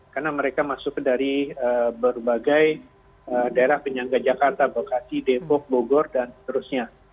karena mereka masuk dari berbagai daerah penyangga jakarta bekasi depok bogor dan seterusnya